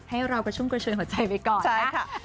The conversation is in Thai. ให้เรากระชุ่มกระชวยหัวใจไปก่อนนะคะ